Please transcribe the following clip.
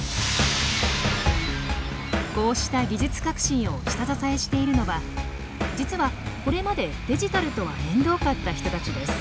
こうした技術革新を下支えしているのは実はこれまでデジタルとは縁遠かった人たちです。